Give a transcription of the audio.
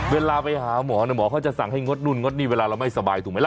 เวลาไปหาหมอหมอเขาจะสั่งให้งดนู่นงดนี่เวลาเราไม่สบายถูกไหมล่ะ